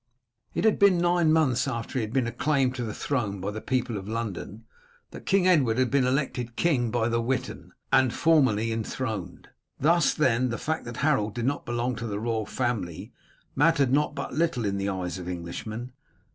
It had been nine months after he had been acclaimed to the throne by the people of London that King Edward had been elected king by the Witan, and formally enthroned. Thus, then, the fact that Harold did not belong to the royal family mattered but little in the eyes of Englishmen.